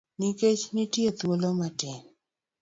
Nikech nitie thuolo matin.